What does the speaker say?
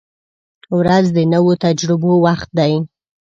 • ورځ د نویو تجربو وخت دی.